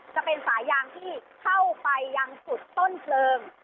จะเป็นสายางที่เข้าไปยังจุดต้นเพลิง